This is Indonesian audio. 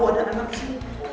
ada anak anak di sini